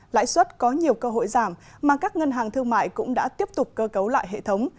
lãi suất có nhiều cơ hội giảm mà các ngân hàng thương mại cũng đã tiếp tục cơ cấu lại hệ thống